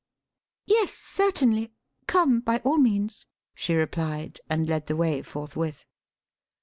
"Yes, certainly come, by all means," she replied, and led the way forthwith.